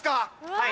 はい。